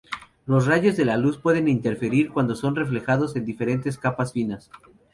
Los rayos de luz pueden interferir cuando son reflejados en diferentes capas finas.